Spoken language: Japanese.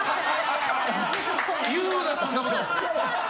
言うな、そんなこと。